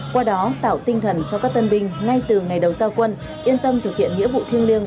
qua đó tạo tinh thần cho các tân binh ngay từ ngày đầu giao quân yên tâm thực hiện nghĩa vụ thiêng liêng